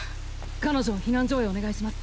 彼女を避難所へお願いします。